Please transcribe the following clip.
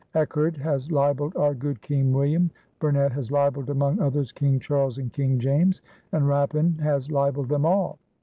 Echard has libelled our good King William; Burnet has libelled among others, King Charles and King James; and Rapin has libelled them all.